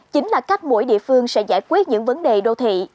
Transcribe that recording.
chính là cách mỗi địa phương sẽ giải quyết những vấn đề đô thị